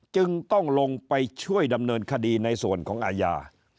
จึงต้องลงไปช่วยดำเนินคดีในส่วนของอาญา